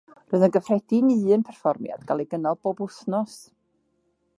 Roedd yn gyffredin i un perfformiad gael ei gynnal bob wythnos.